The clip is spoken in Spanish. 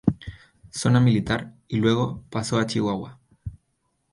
Zona Militar y luego pasó a Chihuahua.